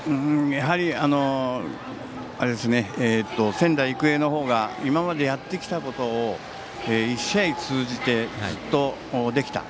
やはり仙台育英の方が今までやってきたことを１試合通じて、ずっとできた。